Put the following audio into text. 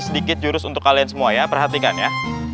sedikit jurus untuk kalian semua ya perhatikan ya